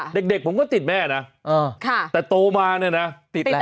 เด็กเด็กผมก็ติดแม่น่ะเออค่ะแต่โตมาเนี่ยน่ะติดอะไรฮะ